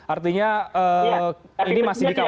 artinya ini masih dikawalnya